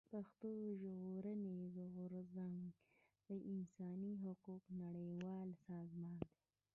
پښتون ژغورني غورځنګ د انساني حقوقو نړيوال سازمان دی.